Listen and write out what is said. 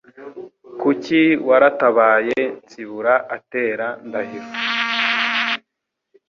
kuki waratabaye Nsibura atera Ndahiro,